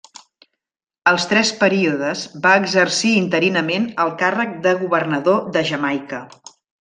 En tres períodes va exercir interinament el càrrec de governador de Jamaica.